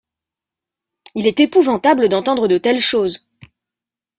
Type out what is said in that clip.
Il est épouvantable d’entendre de telles choses.